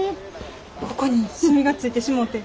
ここに染みがついてしもうて。